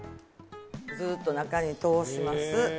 ずっと中に通します。